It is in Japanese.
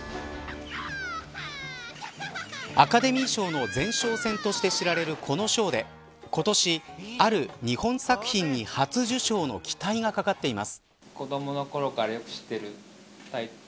アカデミー賞の前哨戦として知られる、この賞で今年、ある日本作品に初受賞の期待がかかっています。